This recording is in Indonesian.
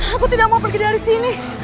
aku tidak mau pergi dari sini